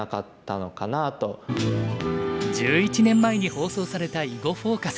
１１年前に放送された「囲碁フォーカス」。